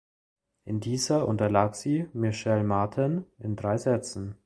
In dieser unterlag sie Michelle Martin in drei Sätzen.